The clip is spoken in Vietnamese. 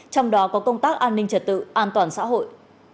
trong đó có công tác an ninh trật tự an toàn xã hội